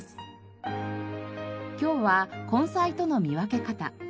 今日は根菜との見分け方。